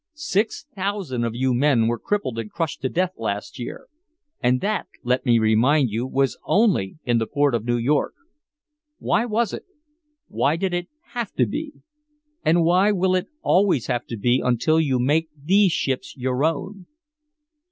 Six thousand of you men were crippled or crushed to death last year and that, let me remind you, was only in the port of New York. Why was it? Why did it have to be? And why will it always have to be until you make these ships your own?